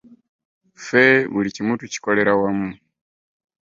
"Ffe buli kimu tukikolera wamu."